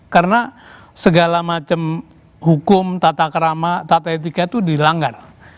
karena segala macam hukum tata kerama tata etika itu dilanggar